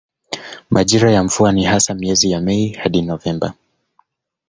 Majira ya mvua ni hasa miezi ya Mei hadi Novemba.